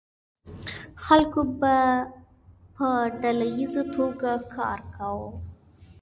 خلکو به په ډله ایزه توګه کار کاوه.